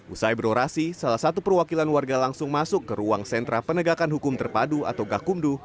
usai berorasi salah satu perwakilan warga langsung masuk ke ruang sentra penegakan hukum terpadu atau gakumdu